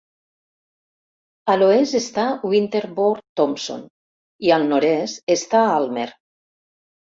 A l'oest està Winterborne Tomson i al nord-est està Almer.